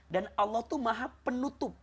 dan allah tuh maha penutup